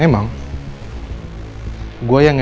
itu cuma sesuatu yang neuen